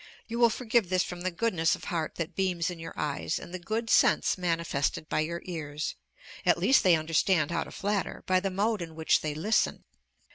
You will forgive this from the goodness of heart that beams in your eyes, and the good sense manifested by your ears; at least they understand how to flatter, by the mode in which they listen.